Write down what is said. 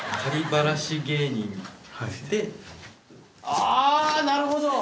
ああーなるほど！